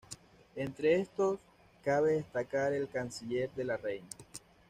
Entre estos, cabe destacar el Canciller de la Reina.